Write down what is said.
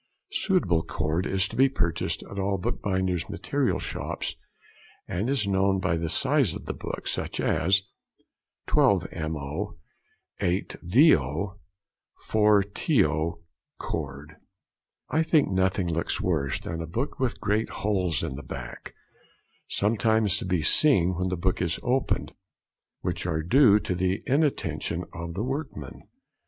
Suitable cord is to be purchased at all the bookbinder's material shops, and it is known by the size of the book, such as 12mo., 8vo., 4to. cord. [Illustration: Sawing in Machine.] I think nothing looks worse than a book with great holes in the back, sometimes to be seen when the book is opened, which are due to the inattention of the workmen.